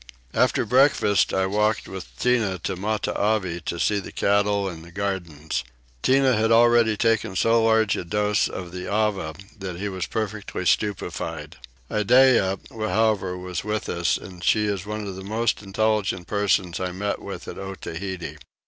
After breakfast I walked with Tinah to Matavai to see the cattle and the gardens. Tinah had already taken so large a dose of the Ava that he was perfectly stupefied. Iddeah however was with us, and she is one of the most intelligent persons I met with at Otaheite.